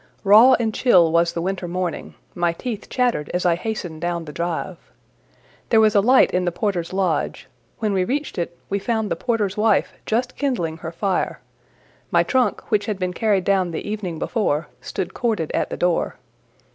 Raw and chill was the winter morning: my teeth chattered as I hastened down the drive. There was a light in the porter's lodge: when we reached it, we found the porter's wife just kindling her fire: my trunk, which had been carried down the evening before, stood corded at the door.